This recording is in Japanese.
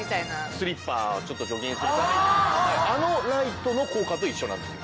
スリッパをちょっと除菌するためのあのライトの効果と一緒なんですよ。